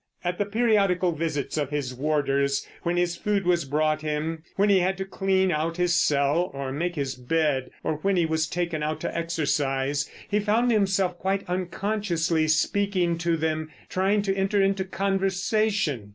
At the periodical visits of his warders, when his food was brought him, when he had to clean out his cell or make his bed, or when he was taken out to exercise, he found himself quite unconsciously speaking to them, trying to enter into conversation.